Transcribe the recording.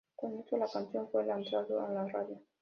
Con esto, la canción fue lanzado a la radio.